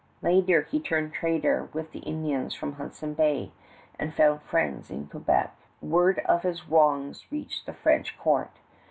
Later he turned trader with the Indians from Hudson Bay, and found friends in Quebec. Word of his wrongs reached the French court.